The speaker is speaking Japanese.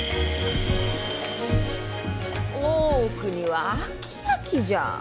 大奥には飽き飽きじゃあ。